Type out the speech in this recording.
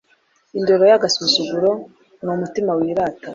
indoro y'agasuzuguro n'umutima wirata